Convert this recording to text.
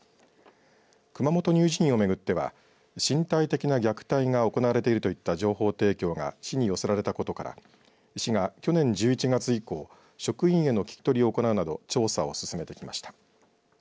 熊本乳児院を巡っては身体的な虐待が行われているといった情報提供が市に寄せられたことから市が去年１１月以降職員への聞き取りを行うなど調査を進めてきました。